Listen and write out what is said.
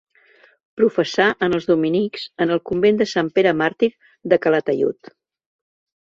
Professà en els dominics en el convent de Sant Pere Màrtir de Calataiud.